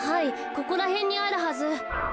ここらへんにあるはず。